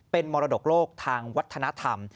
เป็นมรดกโลกทางวัฒนธรรม